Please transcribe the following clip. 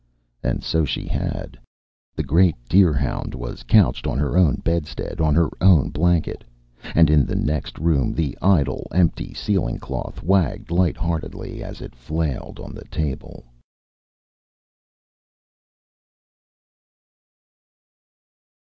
And so she had. The great deer hound was couched on her own bedstead, on her own blanket, and in the next room the idle, empty ceiling cloth wagged light heartedly as it flailed on the table.